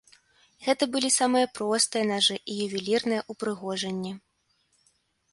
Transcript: Гэта былі самыя простыя нажы і ювелірныя ўпрыгожанні.